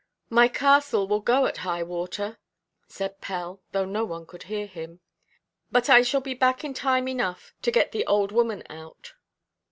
"My castle will go at high–water," said Pell, though none could hear him; "but I shall be back in time enough to get the old woman out."